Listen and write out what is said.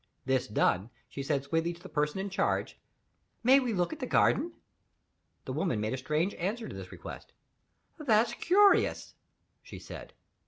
This done, she said sweetly to the person in charge, "May we look at the garden?" The woman made a strange answer to this request. "That's curious," she said.